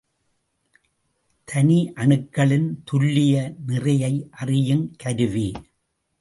தனியணுக்களின் துல்லிய நிறையை அறியுங் கருவி.